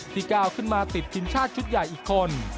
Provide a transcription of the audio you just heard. ก้าวขึ้นมาติดทีมชาติชุดใหญ่อีกคน